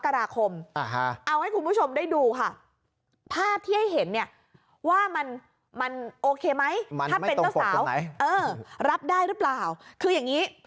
ถ้าเป็นเจ้าสาวเออรับได้หรือเปล่าคืออย่างนี้